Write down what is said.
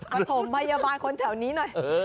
ก็ถงบรรยาบาลคนแถวนี้หน่อย